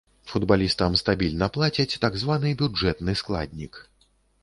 Футбалістам стабільна плацяць так званы бюджэтны складнік.